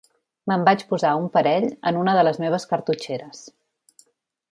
Me'n vaig posar un parell en una de les meves cartutxeres.